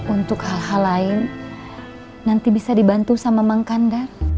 untuk hal hal lain nanti bisa dibantu sama mangkandar